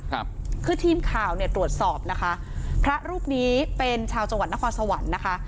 ครับคือทีมข่าวเนี่ยตรวจสอบนะคะพระรูปนี้เป็นชาวจังหวัดนครสวรรค์นะคะ